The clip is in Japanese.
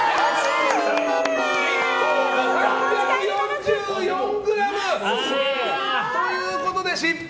３４４ｇ！ということで失敗！